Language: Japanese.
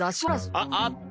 あっあった。